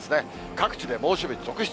各地で猛暑日続出。